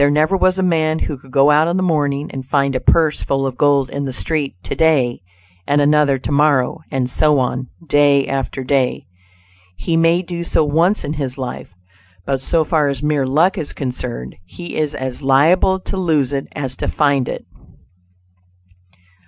There never was a man who could go out in the morning and find a purse full of gold in the street to day, and another to morrow, and so on, day after day: He may do so once in his life; but so far as mere luck is concerned, he is as liable to lose it as to find it.